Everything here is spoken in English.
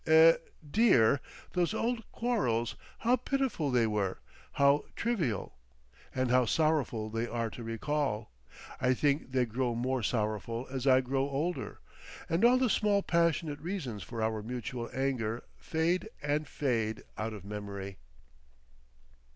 Eh, dear! those old quarrels, how pitiful they were, how trivial! And how sorrowful they are to recall! I think they grow more sorrowful as I grow older, and all the small passionate reasons for our mutual anger fade and fade out of memory.